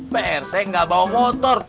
pak rete gak bawa motor